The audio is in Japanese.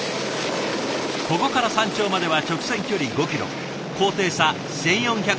ここから山頂までは直線距離５ｋｍ高低差１，４００ｍ。